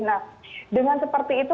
nah dengan seperti itu